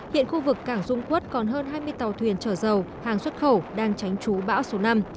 hiện khu vực cảng dung quốc còn hơn hai mươi tàu thuyền chở dầu hàng xuất khẩu đang tránh trú bão số năm